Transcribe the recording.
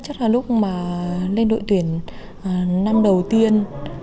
chắc là lúc mà lên đội tuyển năm đầu tiên